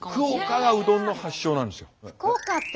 福岡がうどんの発祥なんですよ。